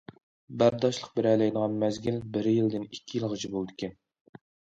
بەرداشلىق بېرەلەيدىغان مەزگىل بىر يىلدىن ئىككى يىلغىچە بولىدىكەن.